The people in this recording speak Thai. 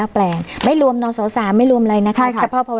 แปลกไม่รวมนศ๓ไม่รวมอะไรนะคะ